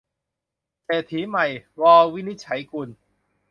เศรษฐีใหม่ - ว วินิจฉัยกุล